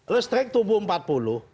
listrik tumbuh empat puluh